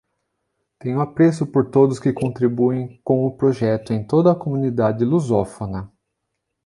Tenho apreço por todos que contribuem com o projeto em toda a comunidade lusófona